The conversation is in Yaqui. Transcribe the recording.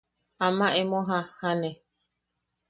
Ama emo jajjane.